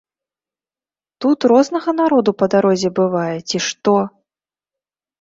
Тут рознага народу па дарозе бывае, ці што!